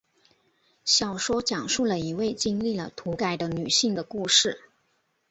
小说讲述了一位经历了土改的女性的故事。